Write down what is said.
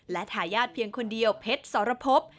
และทายาทเพียงคนเดียวเพชรสรพบ